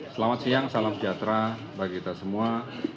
selamat siang salam sejahtera bagi kita semua